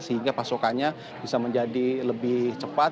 sehingga pasokannya bisa menjadi lebih cepat